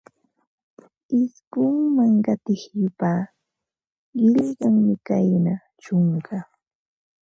Isqunman qatiq yupa, qillqanmi kayna: chunka